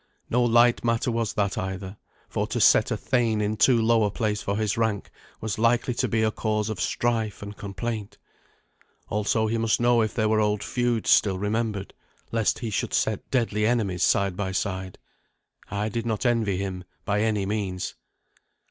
No light matter was that either, for to set a thane in too low a place for his rank was likely to be a cause of strife and complaint. Also he must know if there were old feuds still remembered, lest he should set deadly enemies side by side. I did not envy him, by any means.